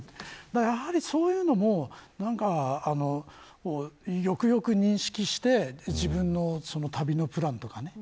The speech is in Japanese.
やはり、そういうのもなんか、よくよく認識して自分の旅のプランとかね。